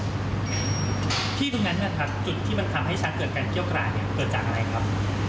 จุดที่มันทำให้ช้างเกิดการเกี้ยวกาตเนี่ยเกิดจากอะไรครับ